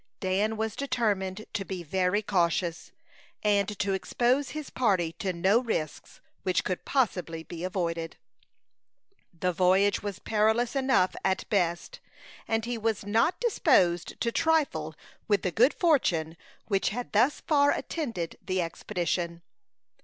Dan was determined to be very cautious, and to expose his party to no risks which could possibly be avoided. The voyage was perilous enough at best, and he was not disposed to trifle with the good fortune which had thus far attended the expedition.